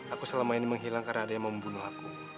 aku selama ini menghilang karena ada yang membunuh aku